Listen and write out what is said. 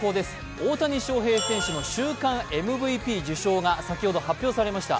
大谷翔平選手の週間ＭＶＰ受賞が先ほど発表されました。